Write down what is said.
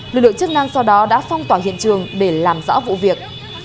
lực lượng chức năng sau đó đã phong tỏa hiện trường để làm rõ vụ việc